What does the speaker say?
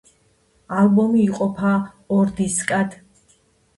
ალბომი იყოფა ორ დისკად.